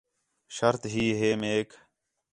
شرط ہئی ہِے میک